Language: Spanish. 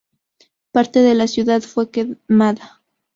Parte de la ciudad fue quemada.